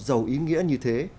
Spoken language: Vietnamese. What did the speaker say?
dầu ý nghĩa như thế